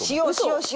よし！